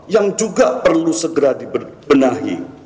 yang juga perlu segera dibenahi